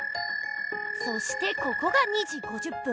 そしてここが２じ５０ぷん。